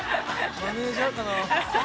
マネージャーかな。